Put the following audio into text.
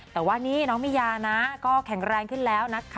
แต่ว่านี่น้องมิยานะก็แข็งแรงขึ้นแล้วนะคะ